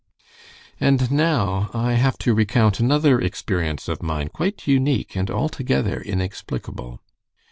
"And now I have to recount another experience of mine, quite unique and altogether inexplicable.